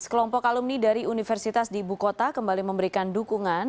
sekelompok alumni dari universitas di ibu kota kembali memberikan dukungan